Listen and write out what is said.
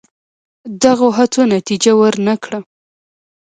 دغو هڅو نتیجه ور نه کړه.